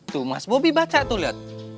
tuh mas bobi baca tuh lihat